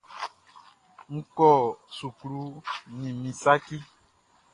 N kɔ suklu nin min saci.